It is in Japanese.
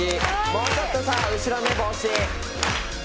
もうちょっとさ後ろね帽子・